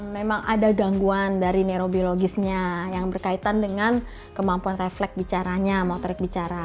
memang ada gangguan dari neurobiologisnya yang berkaitan dengan kemampuan refleks bicaranya motorik bicara